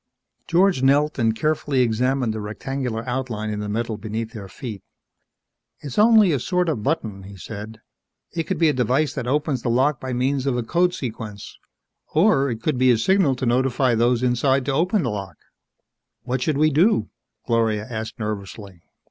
George knelt and carefully examined the rectangular outline in the metal beneath their feet. "It's only a sort of button," he said. "It could be a device that opens the lock by means of a code sequence or it could be a signal to notify those inside to open the lock." "What should we do?" Gloria asked nervously.